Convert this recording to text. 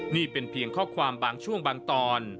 นี่เป็นเพียงข้อความบางช่วงบางตอน